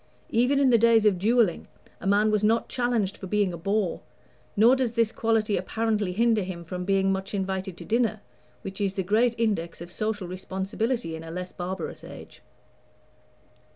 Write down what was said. Even in the days of duelling a man was not challenged for being a bore, nor does this quality apparently hinder him from being much invited to dinner, which is the great index of social responsibility in a less barbarous age.